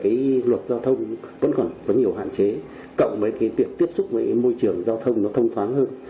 cái luật giao thông vẫn còn có nhiều hạn chế cộng với cái việc tiếp xúc với môi trường giao thông nó thông thoáng hơn